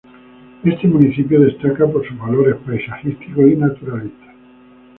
Este municipio destaca por sus valores paisajísticos y naturalistas.